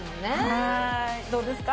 はいどうですか？